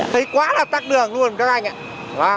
thấy quá là tắc đường luôn các anh ạ